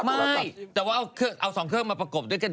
แต่ว่าเอาสองเครื่องมาประกบด้วยกัน